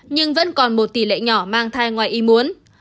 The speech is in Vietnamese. nhưng vẫn còn một tỷ lệ nhỏ mang thai ngoài y muốn